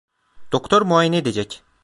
Doktor muayene edecek!